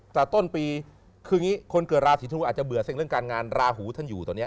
แต่ต้นปีคืออย่างนี้คนเกิดราศีธนูอาจจะเบื่อเซ็กเรื่องการงานราหูท่านอยู่ตอนนี้